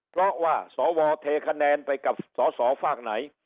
เพราะว่าสวเทคะแนนไปกับสสฝากไหน